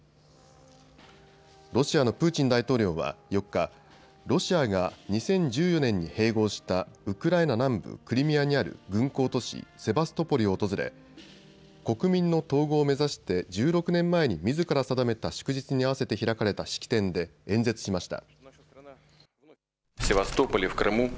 ロシアのプーチン大統領は４日、ロシアが２０１４年に併合したウクライナ南部クリミアにある軍港都市セバストポリを訪れ国民の統合を目指して１６年前にみずから定めた祝日に合わせて開かれた式典で演説しました。